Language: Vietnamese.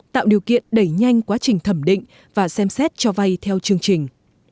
tạo điều kiện đẩy nhanh quá trình thẩm định và xem xét cho vay theo chương trình